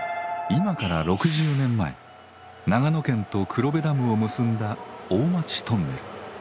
今から６０年前長野県と黒部ダムを結んだ「大町トンネル」。